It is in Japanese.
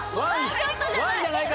「１ショットじゃない」